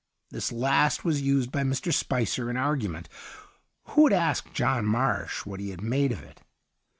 This last was used by Mr. Spicer in argument, who would ask John Marsh what he made of it.